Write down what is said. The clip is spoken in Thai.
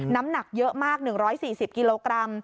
น้ำหนักเยอะมาก๑๔๐กิโลกรัม